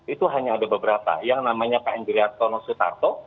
itu hanya ada beberapa yang namanya pak endriarto nosutarto